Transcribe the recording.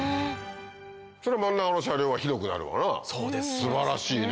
そりゃ真ん中の車両は広くなるわ素晴らしいね。